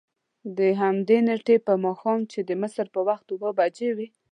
د همدې نېټې په ماښام چې د مصر په وخت اوه بجې وې.